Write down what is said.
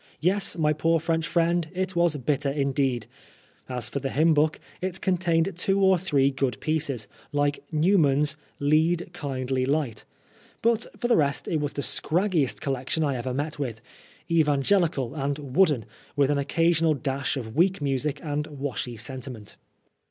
Yes, my poor French friend, it was bitter indeed ! As for the hymn book, it contained two or three good pieces, like Newman's " Lead, Kindly Light," but for the rest it was the scraggiest collection I ever met with — evan gelical and wooden, with an occasional dash of weak music and washy sentiment.